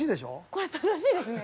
◆これ、楽しいですね。